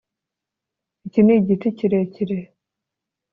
iki ni igiti kirekire